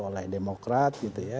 oleh demokrat gitu ya